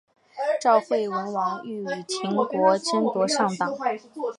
赵惠文王欲与秦国争夺上党。